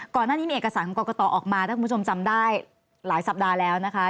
ก่อนหน้านี้มีเอกสารของกรกตออกมาถ้าคุณผู้ชมจำได้หลายสัปดาห์แล้วนะคะ